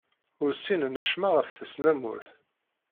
Ur ssinen acemma ɣef tesnamurt.